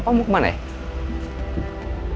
bapak mau kemana ya